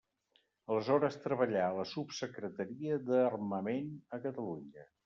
Aleshores treballà a la Subsecretaria d'Armament a Catalunya.